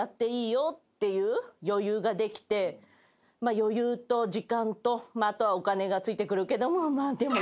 余裕と時間とあとはお金がついてくるけども。